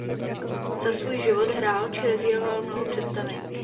Za svůj život hrál či režíroval mnoho představení.